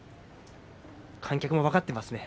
観客も分かってますね。